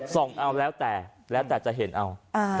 ส่งเอาแล้วแต่แล้วแต่จะเห็นเอา